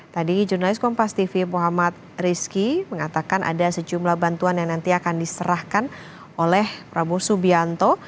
tadi jurnalis kompas tv muhammad rizky mengatakan ada sejumlah bantuan yang nanti akan diserahkan oleh prabowo subianto